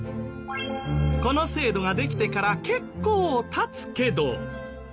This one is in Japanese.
この制度ができてから結構経つけど。